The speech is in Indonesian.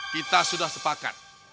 kita sudah sepakat